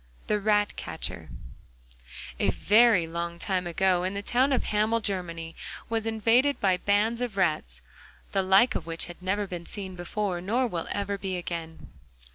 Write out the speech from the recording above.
THE RATCATCHER A very long time ago the town of Hamel in Germany was invaded by bands of rats, the like of which had never been seen before nor will ever be again.